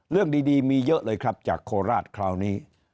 เรื่องดีมีเยอะเลยครับจากโคราชคราวนี้